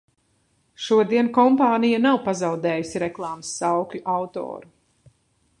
Šodien kompānija nav pazaudējusi reklāmas saukļu autoru.